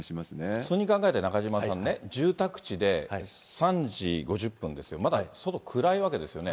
普通に考えて、中島さんね、住宅地で、３時５０分ですよ、まだ外、暗いわけですよね。